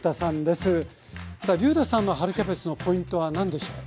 さありゅうたさんの春キャベツのポイントは何でしょう？